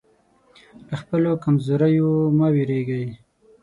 له خپلو کمزوریو مه وېرېږئ.